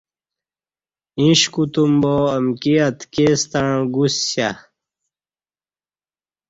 ایݩش کوتوم با امکی اتکی ستݩع گوسیہ